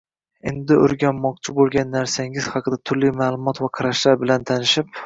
Endi o‘rganmoqchi bo‘lgan narsangiz haqida turli ma’lumot va qarashlar bilan tanishib